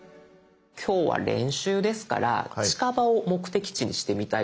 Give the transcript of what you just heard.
今日は練習ですから近場を目的地にしてみたいと思うんです。